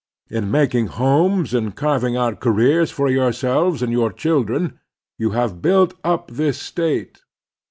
In making homes and carving out careers for yourselves and yotu: chil dren, you have built up this State.